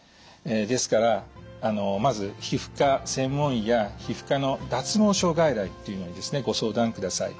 ですからまず皮膚科専門医や皮膚科の脱毛症外来というのにですねご相談ください。